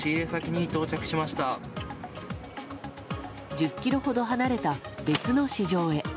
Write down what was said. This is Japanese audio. １０ｋｍほど離れた別の市場へ。